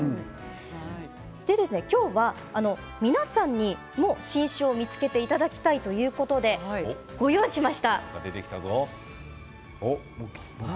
今日は、皆さんにも新種を見つけていただきたいということで、ご用意しました。